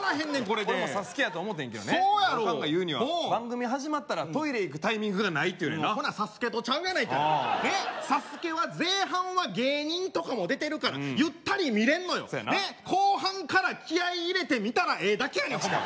これで俺も「ＳＡＳＵＫＥ」やと思うてんけどねおかんが言うには番組始まったらトイレ行くタイミングがないってほな「ＳＡＳＵＫＥ」とちゃうやないか「ＳＡＳＵＫＥ」は前半は芸人とかも出てるからゆったり見れんのよそやな後半から気合い入れて見たらええだけやねんホンマ